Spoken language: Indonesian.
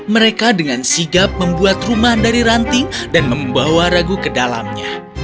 mereka dengan sigap membuat rumah dari ranting dan membawa ragu ke dalamnya